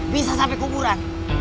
bisa sampai kuburan